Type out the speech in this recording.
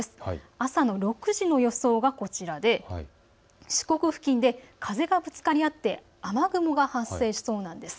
朝の６時の予想がこちらで四国付近で風がぶつかり合って雨雲が発生しそうなんです。